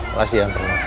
terima kasih ya pak nino